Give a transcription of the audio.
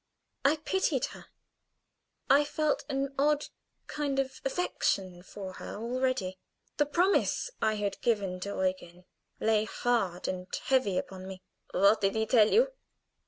I pitied her; I felt an odd kind of affection for her already. The promise I had given to Eugen lay hard and heavy upon me. "What did he tell you?"